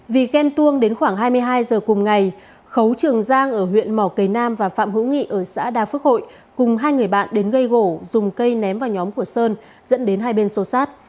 vì ghen tuông đến khoảng hai mươi hai giờ cùng ngày khấu trường giang ở huyện mỏ cầy nam và phạm hữu nghị ở xã đa phước hội cùng hai người bạn đến gây gỗ dùng cây ném vào nhóm của sơn dẫn đến hai bên sâu sát